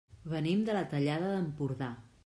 Venim de la Tallada d'Empordà.